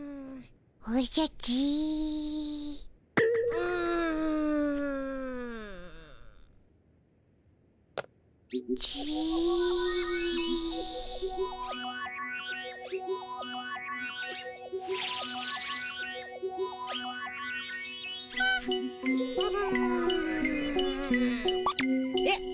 うん。えっ？